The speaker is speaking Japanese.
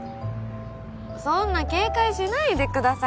そんな警戒しないでください